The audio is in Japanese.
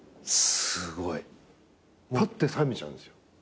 すごい。ぱって覚めちゃうんですよ。